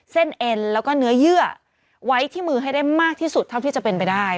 เอ็นแล้วก็เนื้อเยื่อไว้ที่มือให้ได้มากที่สุดเท่าที่จะเป็นไปได้